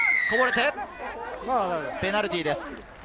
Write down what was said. こぼれてペナルティーです。